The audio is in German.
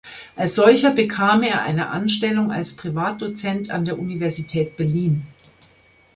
Als solcher bekam er eine Anstellung als Privatdozent an der Universität Berlin.